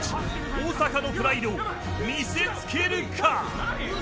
大阪のプライドを見せつけるか。